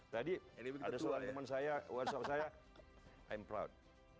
tadi ada soal teman saya wariswa saya i'm proud